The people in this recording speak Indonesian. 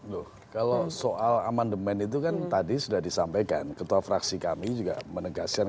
loh kalau soal amandemen itu kan tadi sudah disampaikan ketua fraksi kami juga menegaskan